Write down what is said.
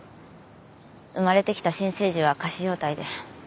生まれてきた新生児は仮死状態で。